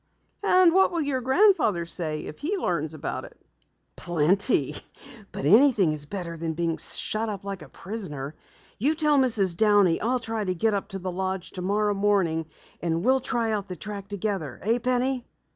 "And what will your grandfather say if he learns about it?" "Plenty! But anything is better than being shut up like a prisoner. You tell Mrs. Downey I'll try to get up to the lodge tomorrow morning, and we'll try out the track together, eh Penny?"